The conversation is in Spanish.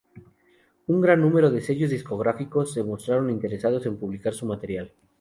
Un gran número de sellos discográficos se mostraron interesados en publicar su material.